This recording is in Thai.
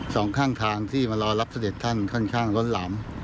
สองข้างทางที่มารอรับเสด็จท่านค่อนข้างล้นหลาม